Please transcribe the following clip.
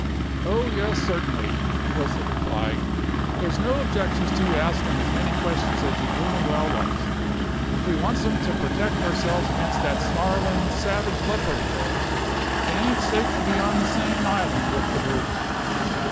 "Oh yes, cert'nly," was the reply. "There's no objections to you astin' as many questions as you bloomin' well likes. We wants 'em to purtect ourselves again' that snarlin', savage leopard o' yours. It ain't safe to be on the same hisland with the brute."